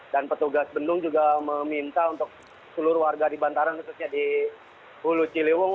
dan petugas bendung juga meminta untuk seluruh warga di bantaran khususnya di hulu ciliwung